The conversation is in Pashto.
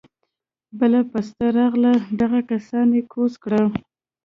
بله پسته راغله دغه کسان يې کوز کړه.